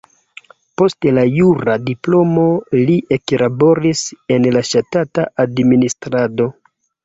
Post la jura diplomo li eklaboris en la ŝtata administrado.